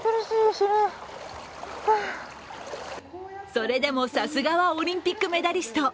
それでもさすがはオリンピックメダリスト。